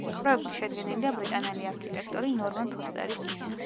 პროექტი შედგენილია ბრიტანელი არქიტექტორი ნორმან ფოსტერის მიერ.